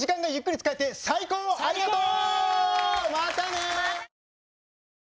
またね。